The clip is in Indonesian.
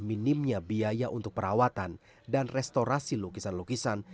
minimnya biaya untuk perawatan dan restorasi lukisan lukisan